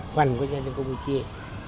phần của nhân dân công nghiệp chia